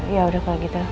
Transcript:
ya udah kalau gitu